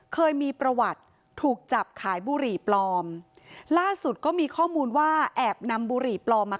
เคยมีประวัติถูกจับขายบุหรี่ปลอมล่าสุดก็มีข้อมูลว่าแอบนำบุหรี่ปลอมมา